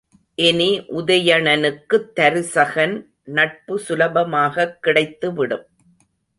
இனி உதயணனுக்குத் தருசகன் நட்பு சுலபமாகக் கிடைத்துவிடும்.